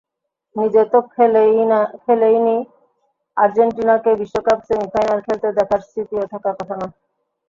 নিজে তো খেলেনইনি, আর্জেন্টিনাকে বিশ্বকাপ সেমিফাইনাল খেলতে দেখার স্মৃতিও থাকার কথা নয়।